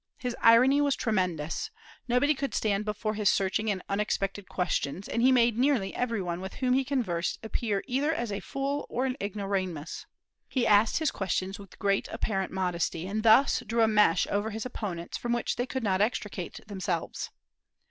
His irony was tremendous; nobody could stand before his searching and unexpected questions, and he made nearly every one with whom he conversed appear either as a fool or an ignoramus. He asked his questions with great apparent modesty, and thus drew a mesh over his opponents from which they could not extricate themselves.